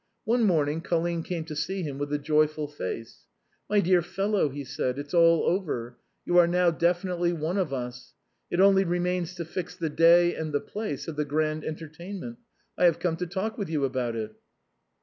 One morning, Colline came to see him with a joyful face. " My dear fellow," he said, " it's all over ; you are now definitely one of us. It only remains to fix the day and the A BOHEMIAN " AT HOME." 149 place of the grand entertainment ; I have come to talk with you about it."